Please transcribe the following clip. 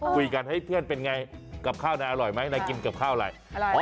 คุยกันเฮ้ยเพื่อนเป็นไงกับข้าวนายอร่อยไหมนายกินกับข้าวอะไรอร่อย